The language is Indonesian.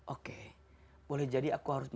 oke boleh jadi aku harus